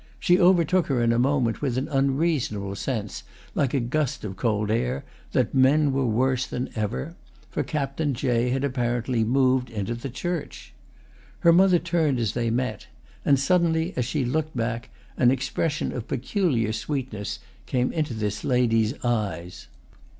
She overtook her in a moment, with an unreasonable sense, like a gust of cold air, that men were worse than ever, for Captain Jay had apparently moved into the church. Her mother turned as they met, and suddenly, as she looked back, an expression of peculiar sweetness came into this lady's eyes.